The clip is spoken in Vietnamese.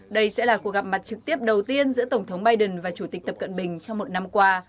đây sẽ là cuộc gặp mặt trực tiếp đầu tiên giữa tổng thống biden và chủ tịch tập cận bình trong một năm qua